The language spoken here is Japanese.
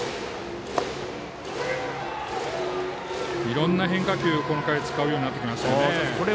いろいろな変化球をこの回使うようになってきました。